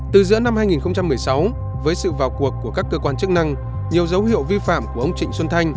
từ giữa năm hai nghìn một mươi sáu với sự vào cuộc của các cơ quan chức năng nhiều dấu hiệu vi phạm của ông trịnh xuân thanh